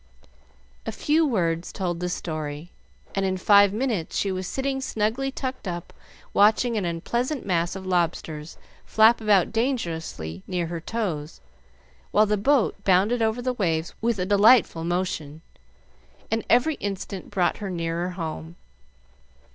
A few words told the story, and in five minutes she was sitting snugly tucked up watching an unpleasant mass of lobsters flap about dangerously near her toes, while the boat bounded over the waves with a delightful motion, and every instant brought her nearer home.